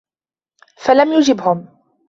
فَلَمْ يُجِبْهُمْ